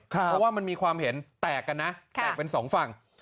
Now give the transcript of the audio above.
เพราะว่ามันมีความเห็นแตกกันนะแตกเป็นสองฝั่ง